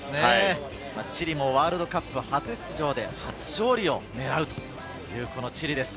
チリもワールドカップ初出場で初勝利を狙うというチリです。